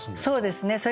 そうですね。